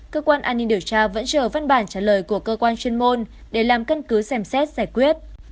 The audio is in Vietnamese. cơ quan an ninh điều tra vẫn chờ văn bản trả lời của cơ quan chuyên môn để làm căn cứ xem xét giải quyết